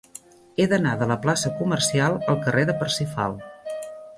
He d'anar de la plaça Comercial al carrer de Parsifal.